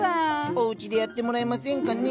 おうちでやってもらえませんかねぇ。